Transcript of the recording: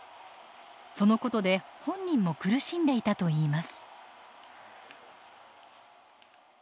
そのことで本人も苦しんでいたといいます。